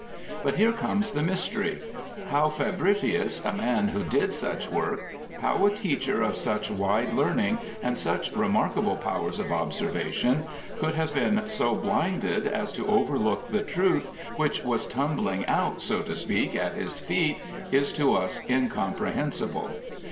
But here comes the mystery. How Fabricius, a man who did such work — how a teacher of such wide learning and such remarkable powers of observation, could have been so blinded as to overlook the truth which was tumbling out, so to speak, at his feet, is to us incomprehensible.